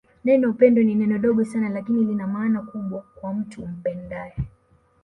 Neno upendo ni neno dogo Sana lakini Lina maana kubwa kwa mtu umpendae